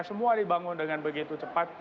semua dibangun dengan begitu cepat